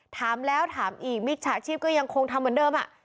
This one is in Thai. ถามแล้วถามอีกมิจฉาชีพก็ยังคงทำเหมือนเดิม